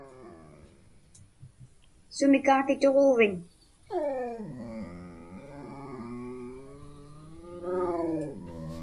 Sumi kaapituġuuviñ?